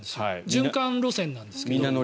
循環路線なんですけど。